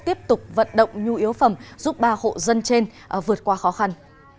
tiếp tục vận động nhu yếu phẩm giúp ba hộ dân trên vượt qua khó khăn